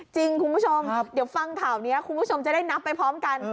จริงคุณผู้ชมเดี๋ยวฟังข่าวนี้คุณผู้ชมจะได้นับไปพร้อมกัน